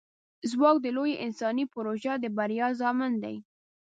ځواک د لویو انساني پروژو د بریا ضامن دی.